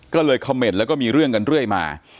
ก็เลยคอมเมนต์แล้วก็มีเรื่องกันเรื่อยมา